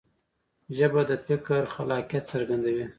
ژبه د فکر خلاقیت څرګندوي.